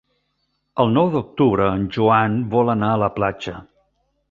El nou d'octubre en Joan vol anar a la platja.